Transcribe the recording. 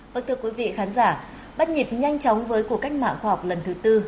vâng thưa quý vị khán giả bắt nhịp nhanh chóng với cuộc cách mạng khoa học lần thứ tư